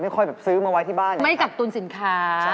ค่อยแบบซื้อมาไว้ที่บ้านไม่กักตุนสินค้า